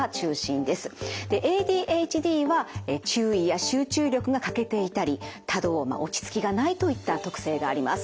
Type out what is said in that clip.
ＡＤＨＤは注意や集中力が欠けていたり多動落ち着きがないといった特性があります。